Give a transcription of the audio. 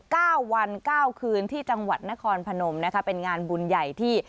เก้าวันเก้าคืนที่จังหวัดนครพนมนะคะเป็นงานบุญใหญ่ที่